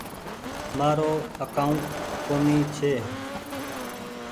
مآرو اڪآونٽ ڪونيٚ ڇي۔